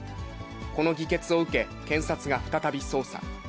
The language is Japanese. この議決を受け検察が再び捜査。